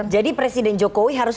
jadi presiden jokowi harus